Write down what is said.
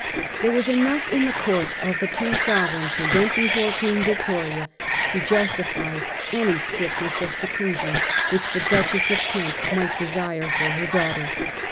There was enough in the court of the two sovereigns who went before Queen Victoria to justify any strictness of seclusion which the Duchess of Kent might de sire for her daughter.